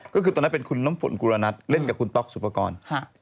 ก็คือตอนนั้นเป็นคุณน้ำฝนกุรณัทเล่นกับคุณต๊อกสุปกรณ์